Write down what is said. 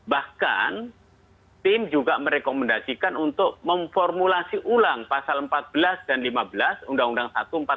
bahkan tim juga merekomendasikan untuk memformulasi ulang pasal empat belas dan lima belas undang undang satu empat puluh